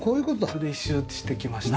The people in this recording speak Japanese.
ここで一周してきました。